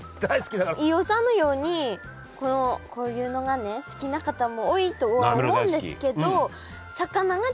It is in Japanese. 飯尾さんのようにこういうのがね好きな方も多いとは思うんですけどいるね。